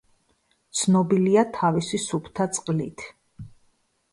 ცნობილია თავისი სუფთა წყლით.